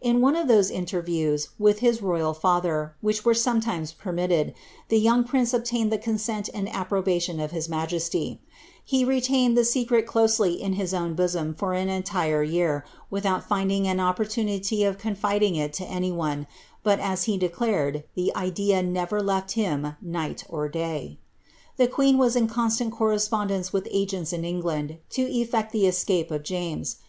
In one of those inter riews with his royal &ther which were sometimes permitted, the young prince obtained the consent and approbation of his majesty ; he retained ihe secret closely in his own bosom for an entire year, without finding ao opportunity of confiding it to any one, but, as he declared, the idea nerer left him night or day. The queen was in constant correspondence with agents in England, to eflect the escape of James.